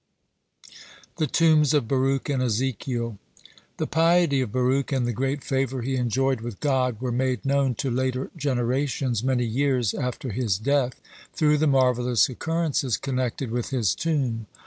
(71) THE TOMBS OF BARUCH AND EZEKIEL The piety of Baruch and the great favor he enjoyed with God were made known to later generations many years after his death, through the marvellous occurrences connected with his tomb.